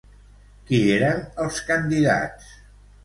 Qui eren els candidats?